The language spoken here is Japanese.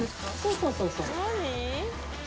そうそうそう。